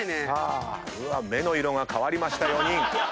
目の色が変わりました４人。